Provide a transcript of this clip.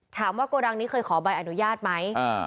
โกดังนี้เคยขอใบอนุญาตไหม